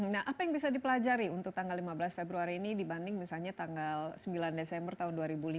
nah apa yang bisa dipelajari untuk tanggal lima belas februari ini dibanding misalnya tanggal sembilan desember tahun dua ribu lima belas